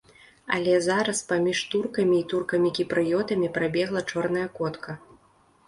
Але зараз паміж туркамі і туркамі-кіпрыётамі прабегла чорная котка.